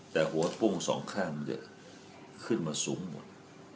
แต่หัวป้ม๒แค่มันจะขึ้นมาสูงหมด